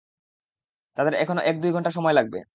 তাদের এখনো এক দুই ঘন্টা সময় লাগবে।